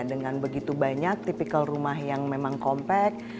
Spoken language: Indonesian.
dengan begitu banyak tipikal rumah yang memang kompak